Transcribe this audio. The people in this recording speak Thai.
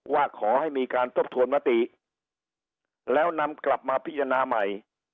ว่าขอให้มีการทบทวนมติแล้วนำกลับมาพิจารณาใหม่